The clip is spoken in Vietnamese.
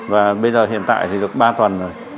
và bây giờ hiện tại thì được ba tuần rồi